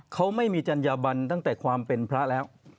เขาไม่มีจัญญาบันตั้งแต่ความเป็นพระแล้ว